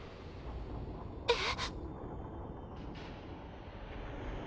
えっ？